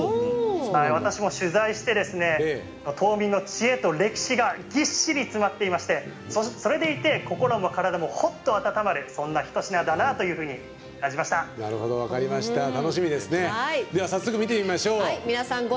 私も取材して島民の知恵と歴史がぎっしり詰まっていましてそれでいて、心も体もほっと温まるそんなひと品だなというふうに早速見てみましょう。